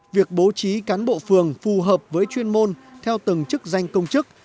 việc bố trí cán bộ phường phù hợp với chuyên môn theo từng chức danh công chức